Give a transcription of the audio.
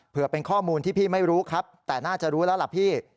เพื่อเป็นข้อมูลที่พี่ไม่รู้ครับแต่น่าจะรู้แล้วล่ะพี่